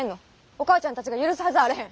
お母ちゃんたちが許すはずあれへん。